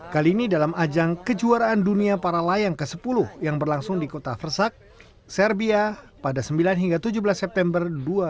kali ini dalam ajang kejuaraan dunia para layang ke sepuluh yang berlangsung di kota versak serbia pada sembilan hingga tujuh belas september dua ribu dua puluh